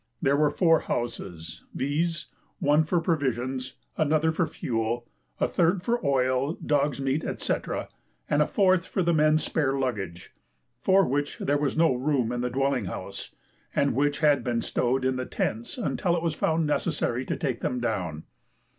There were four houses, viz.: one for provisions, another for fuel, a third for oil, dog's meat, &c., and a fourth for the men's spare luggage, for which there was no room in the dwelling house, and which had been stowed in the tents until it was found necessary to take them down.